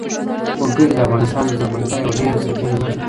وګړي د افغانستان د زرغونتیا یوه ډېره څرګنده نښه ده.